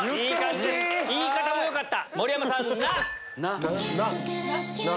言い方もよかった！